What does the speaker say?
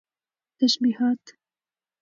تشبيهات